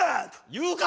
言うか！